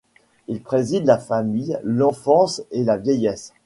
Il préside la famille, l'enfance et la vieillesse.